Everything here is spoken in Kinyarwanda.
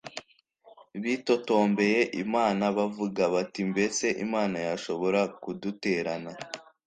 bitotombeye imana, bavuga bati mbese imana yashobora kuduterana